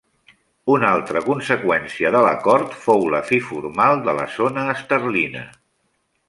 Una altra conseqüència de l'Acord fou la fi formal de la zona esterlina.